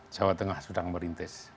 jawa tengah sudah merintis